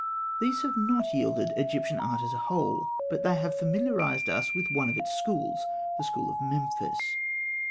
These have not yielded Egyptian art as a whole; but they have familiarised us with one of its schools the school of Memphis.